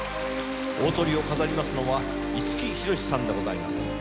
大トリを飾りますのは五木ひろしさんでございます。